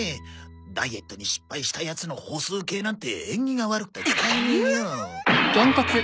ダイエットに失敗した奴の歩数計なんて縁起が悪くて使えねえよ。